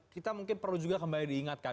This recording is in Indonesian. kita mungkin perlu juga kembali diingatkan